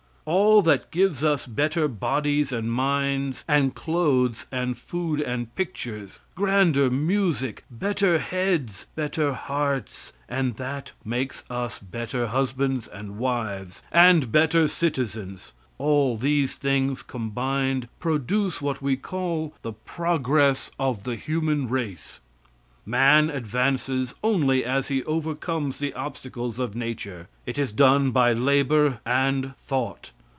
All that gives us better bodies and minds and clothes and food and pictures, grander music, better heads, better hearts, and that makes us better husbands and wives and better citizens, all these things combined produce what we call the progress of the human race. Man advances only as he overcomes the obstacles of nature. It is done by labor and thought.